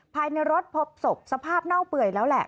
ภายในรถพบศพสภาพเน่าเปื่อยแล้วแหละ